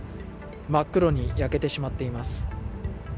真っ黒に焼けてしまっています。